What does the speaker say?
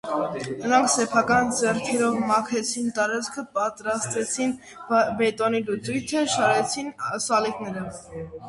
Նրանք սեփական ձեռքերով մաքրեցին տարածքը, պատրաստեցին բետոնի լուծույթը, շարեցին սալիկները։